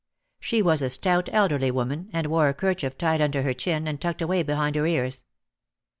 She was a stout, elderly woman, and wore a kerchief tied under her chin and tucked away behind her ears.